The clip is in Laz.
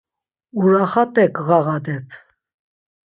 Uraxat̆e gğaxadep.